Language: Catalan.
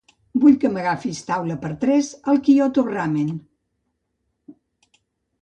Vull que m'agafis taula per tres al Kyoto Ramen.